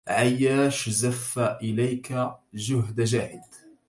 عياش زف إليك جهد جاهد